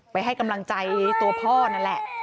ให้กำลังใจตัวพ่อนั่นแหละ